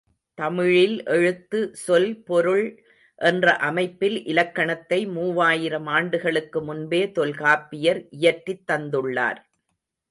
தமிழில் எழுத்து, சொல், பொருள் என்ற அமைப்பில் இலக்கணத்தை மூவாயிரம் ஆண்டுகளுக்கு முன்பே தொல்காப்பியர் இயற்றித் தந்துள்ளார்.